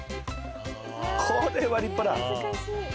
これは立派だ。